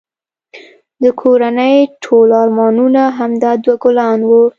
د کورنی ټول ارمانونه همدا دوه ګلان وه